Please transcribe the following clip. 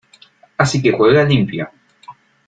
Así que juega limpio.